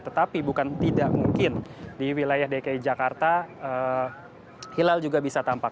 tetapi bukan tidak mungkin di wilayah dki jakarta hilal juga bisa tampak